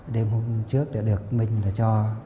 đêm hôm trước đã được minh cho